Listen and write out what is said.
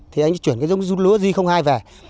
thì anh ấy chuyển cái giống lúa g hai về